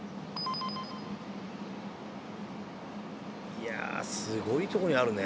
いやすごいとこにあるね。